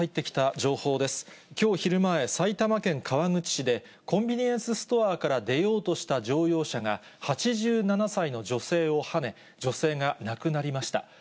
きょう昼前、埼玉県川口市で、コンビニエンスストアから出ようとした乗用車が、８７歳の女性をはね、女性が亡くなりました。